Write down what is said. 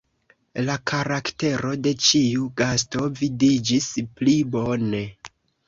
La karaktero de ĉiu gasto vidiĝis pli bone.